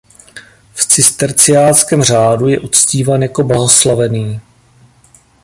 V cisterciáckém řádu je uctíván jako blahoslavený.